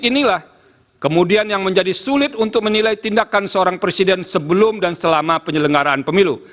sebuah pemerintahan yang sudah bekerja bersama perempuan memiliki kesulitan untuk menilai tindakan seorang presiden sebelum dan selama penyelenggaraan pemilu